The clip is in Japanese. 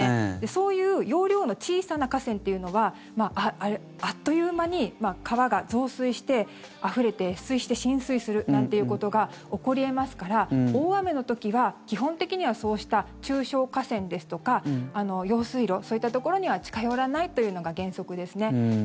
そういう容量の小さな河川っていうのはあっという間に川が増水してあふれて越水して浸水するなんていうことが起こり得ますから大雨の時は基本的にはそうした中小河川ですとか用水路そういったところには近寄らないというのが原則です。